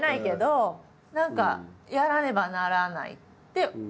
何かやらねばならないって。